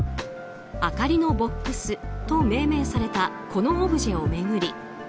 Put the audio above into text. あかりのボックスと命名されたこのオブジェを巡り